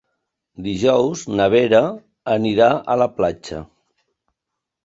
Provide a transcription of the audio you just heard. Dijous na Vera anirà a la platja.